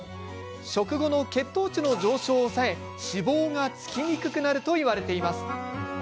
食後の血糖値の上昇を抑え脂肪がつきにくくなるといわれています。